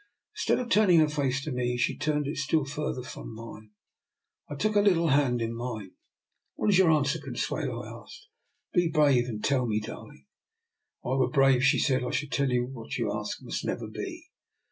" Instead of turning her face to me, she turned it still further from me. I took her little hand in mine. "What is your answer, Consuelo?" I asked. " Be brave and tell me, darling." " If I were brave," she said, " I should tell you that what you ask must never be.